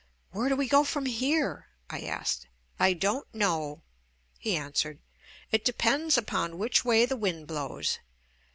"Where do we go from here?" I asked. "I don't know," he answered. "It depends upon which way the wind blows."